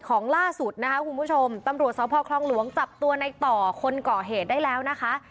ของล่าสุดนะคะคุณผู้ชมตำรวจสพคลองหลวงจับตัวในต่อคนก่อเหตุได้แล้วนะคะ